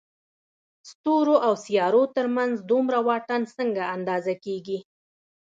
ستورو او سيارو تر منځ دومره واټن څنګه اندازه کېږي؟